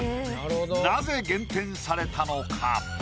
なぜ減点されたのか？